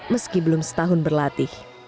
meski belum setahun berlatih